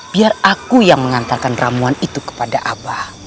biar aku yang mengantarkan ramuan itu kepada abah